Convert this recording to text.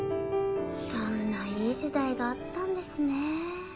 そんないい時代があったんですね。